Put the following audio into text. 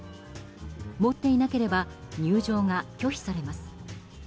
持っていなければ入場が拒否されます。